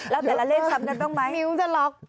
แล้วแต่ละเลขช้ำกันบ้างไหมมิ้วจะล็อก